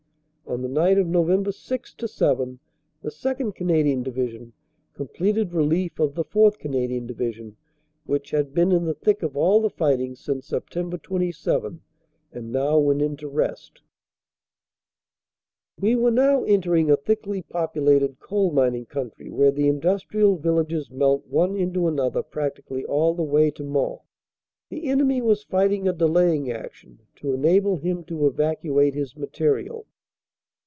On the night of Nov. 6 7 the 2nd. Canadian Division com pleted relief of the 4th. Canadian Division, which had been 376 CANADA S HUNDRED DAYS in the thick of all the fighting since Sept. 27, and now went into rest. We were now entering a thickly populated coal mining country, where the industrial villages melt one into another practically all the way to Mons. The enemy was fighting a delaying action, to enable him to evacuate his material.